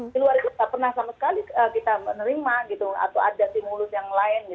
di luar itu tidak pernah sama sekali kita menerima gitu atau ada stimulus yang lain